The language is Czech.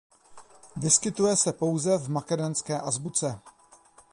Vyskytuje se pouze v makedonské azbuce.